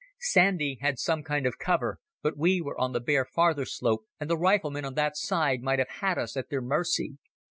Sandy had some kind of cover, but we were on the bare farther slope, and the riflemen on that side might have had us at their mercy.